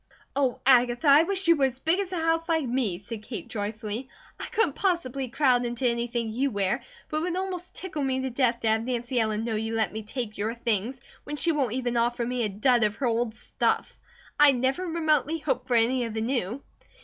"Oh, Agatha, I wish you were as big as a house, like me," said Kate, joyfully. "I couldn't possibly crowd into anything you wear, but it would almost tickle me to death to have Nancy Ellen know you let me take your things, when she won't even offer me a dud of her old stuff; I never remotely hoped for any of the new."